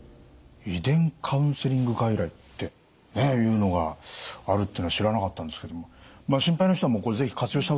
遺伝カウンセリング外来っていうのがあるっていうのは知らなかったんですけども心配な人はこれ是非活用した方がいいってことですよね？